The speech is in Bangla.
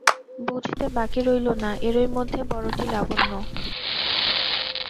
বুঝতে বাকি রইল না, এরই মধ্যে বড়োটি লাবণ্য।